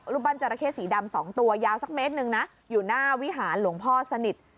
รูปปั้นจราเข้สีดำ๒ตัวยาวสักเมตรหนึ่งนะอยู่หน้าวิหารหลวงพ่อสนิท